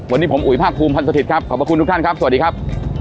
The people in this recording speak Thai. วันนี้ผมอุ๋ยภาคภูมิพันธ์สถิตย์ครับขอบพระคุณทุกท่านครับสวัสดีครับ